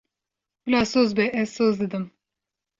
Bila soz be, ez soz didim.